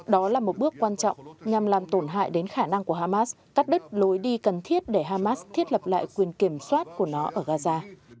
đó là một bước quan trọng nhằm làm tổn hại đến khả năng của hamas cắt đứt lối đi cần thiết để hamas thiết lập lại quyền kiểm soát của nó ở gaza